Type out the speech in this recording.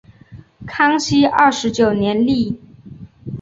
康熙二十九年立。